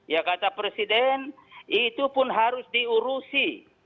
ya kata presiden itu pun harus diurusi